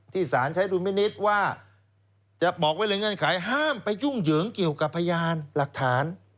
สารใช้ดุลมินิษฐ์ว่าจะบอกไว้เลยเงื่อนไขห้ามไปยุ่งเหยิงเกี่ยวกับพยานหลักฐาน